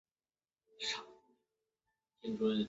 此行动为后来入侵义大利揭开续幕。